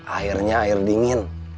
airnya air dingin